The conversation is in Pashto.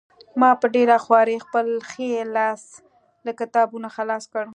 ما په ډېره خوارۍ خپل ښی لاس له کتابونو خلاص کړ